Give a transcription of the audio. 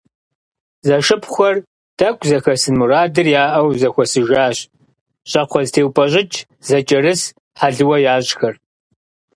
Зэшыпхъухэр, тӏэкӏу зэхэсын мурадыр яӏэу зэхуэсыжащ. Щӏакхъуэзэтеупӏэщӏыкӏ, зэкӏэрыс, хьэлыуэ ящӏхэр.